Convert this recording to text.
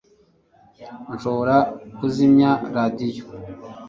nshobora kuzimya radiyo